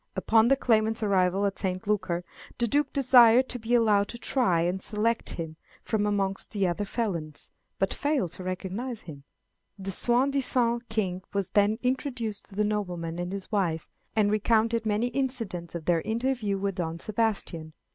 Upon the claimant's arrival at St. Lucar, the Duke desired to be allowed to try and select him from amongst the other felons, but failed to recognize him. The soi disant King was then introduced to the nobleman and his wife, and recounted many incidents of their interview with Don Sebastian.